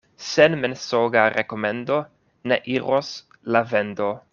Sen mensoga rekomendo ne iros la vendo.